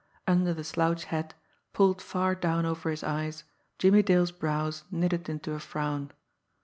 Under the slouch hat, pulled far down over his eyes, Jimmie Dale's brows knitted into a frown.